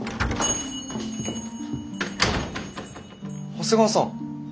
長谷川さん。